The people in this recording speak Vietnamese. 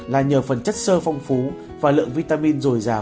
là nhờ phần chất sơ phong phú và lượng vitamin dồi dào